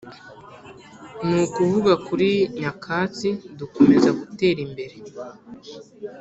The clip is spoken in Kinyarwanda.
Ni ukuva kuri nyakatsi dukomeza dutera imbere